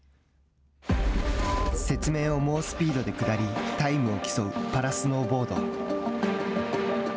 雪面を猛スピードで下りタイムを競うパラスノーボード。